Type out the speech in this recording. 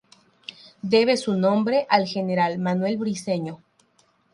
Debe su nombre al General Manuel Briceño.